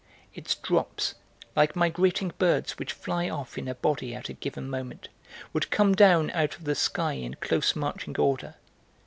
Its drops, like migrating birds which fly off in a body at a given moment, would come down out of the sky in close marching order.